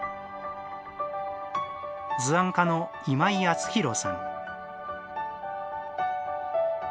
図案家の今井淳裕さん。